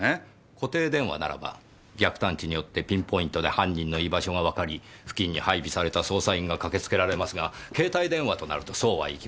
固定電話ならば逆探知によってピンポイントで犯人の居場所がわかり付近に配備された捜査員が駆けつけられますが携帯電話となるとそうはいきません。